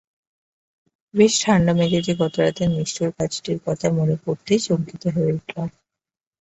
বেশ ঠাণ্ডা মেজাজে গতরাতের নিষ্ঠুর কাজটির কথা মনে পড়তেই শঙ্কিত হয়ে উঠলাম।